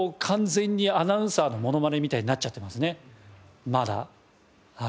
完全にアナウンサーのモノマネみたいになっちゃってますねまだ。